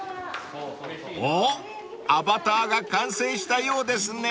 ［おっアバターが完成したようですね］